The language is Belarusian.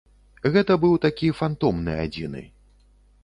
Гэта быў такі фантомны адзіны.